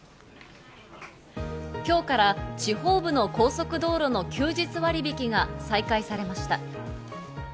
今日から地方部の高速道路の休日割引が再開されました。